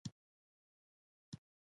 د جوزجان په قرقین کې د څه شي نښې دي؟